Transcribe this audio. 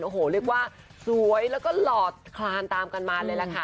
โอ้โหเรียกว่าสวยแล้วก็หลอดคลานตามกันมาเลยล่ะค่ะ